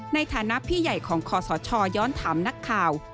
ในฐานะพี่ใหญ่ของคอสชย้อนถามนักข่าว